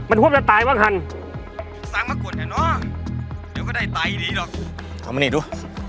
เอามันลีดู